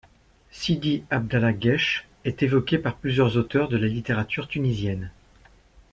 Sidi Abdallah Guech est évoquée par plusieurs auteurs de la littérature tunisienne.